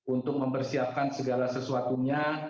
untuk mempersiapkan segala sesuatunya